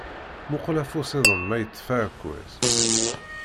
Muqel afus-iḍen ma yeṭṭef aɛekkaz.